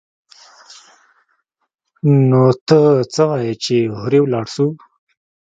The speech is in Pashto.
نو ته څه وايي چې هورې ولاړ سو؟